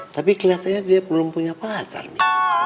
tapi kelihatannya dia belum punya pacar nih